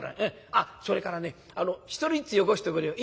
あっそれからね１人ずつよこしておくれよ。